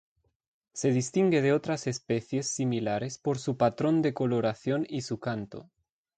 Se distingue de otras especies similares por su patrón de coloración y su canto.